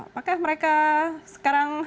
apakah mereka sekarang